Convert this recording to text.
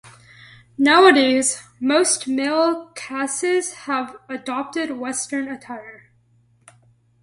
Nowadays, most male Khasis have adopted western attire.